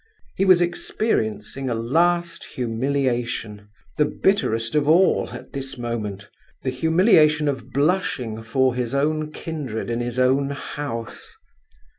He was experiencing a last humiliation, the bitterest of all, at this moment—the humiliation of blushing for his own kindred in his own house.